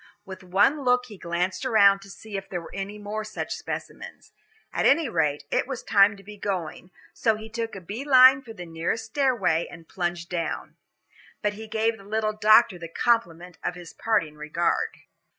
With one look he glanced around to see if there were any more such specimens. At any rate, it was time to be going, so he took a bee line for the nearest stairway and plunged down. But he gave the little doctor the compliment of his parting regard.